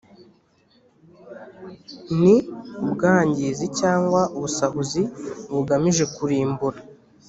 ni ubwangizi cyangwa ubusahuzi bugamije kurimbura